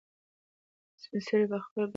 سپین سرې په خپلې کنډاسې خولې سره لښتې ته وخندل.